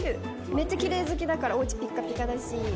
めっちゃきれい好きだからお家ピッカピカだし。